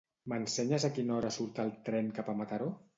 M'ensenyes a quina hora surt el tren cap a Mataró?